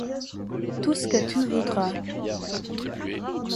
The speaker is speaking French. Tout ce que tu voudras !